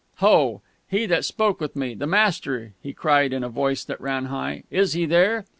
"Ho he that spoke with me the master," he cried in a voice that ran high, "is he there?"